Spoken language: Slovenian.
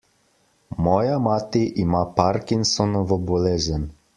Moja mati ima Parkinsonovo bolezen.